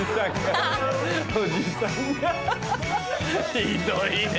ひどいね。